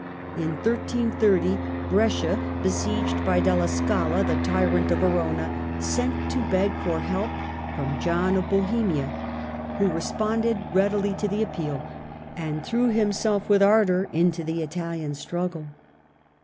In 1330, Brescia, J^o^emia besieged by Delia Scala, the tyrant of Verona, sent to beg for help from John of Bohemia, who responded readily to the appeal, and threw himself with ardour into the Italian struggle.